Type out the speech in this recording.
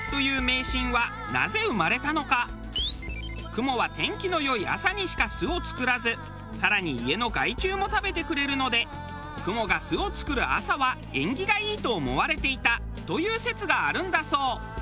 クモは天気の良い朝にしか巣を作らず更に家の害虫も食べてくれるのでクモが巣を作る朝は縁起がいいと思われていたという説があるんだそう。